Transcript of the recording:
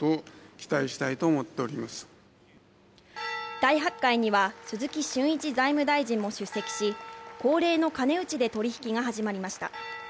大発会には鈴木俊一財務大臣も出席し、恒例の鐘打ちで取引が始まりました。